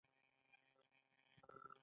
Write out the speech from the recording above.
وچي شیدې د نس باد زیاتوي.